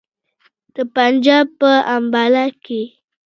د پنجاب په امباله کې.